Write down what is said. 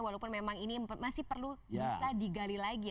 walaupun memang ini masih perlu bisa digali lagi